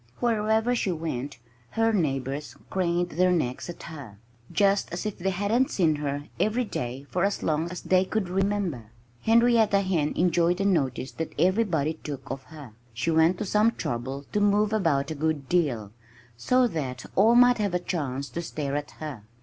Wherever she went her neighbors craned their necks at her, just as if they hadn't seen her every day for as long as they could remember. Henrietta Hen enjoyed the notice that everybody took of her. She went to some trouble to move about a good deal, so that all might have a chance to stare at her.